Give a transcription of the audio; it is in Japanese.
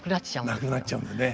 なくなっちゃうんでね。